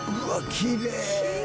きれい！